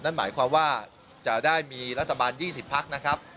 นั่นหมายความว่าจะได้มีรัฐบาล๒๐พักนะครับ